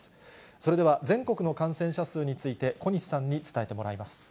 それでは全国の感染者数について、小西さんに伝えてもらいます。